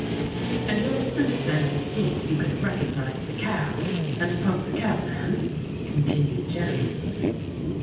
"And you have since been to see if you could recognise the cab, and pump the cab man?" continued Jem.